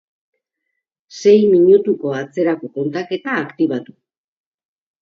Sei minutuko atzerako kontaketa aktibatu